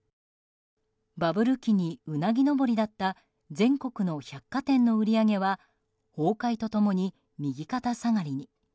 バブル期にうなぎ登りだった全国の百貨店の売り上げは崩壊と共に右肩下がりに。